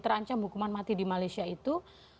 terancam hukuman mati di malaysia itu